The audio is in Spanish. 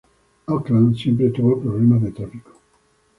Auckland siempre tuvo problemas de tráfico.